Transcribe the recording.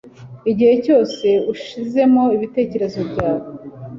igihe cyose ushizemo ibitekerezo byawe